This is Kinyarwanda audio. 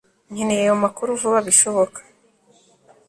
nkeneye ayo makuru vuba bishoboka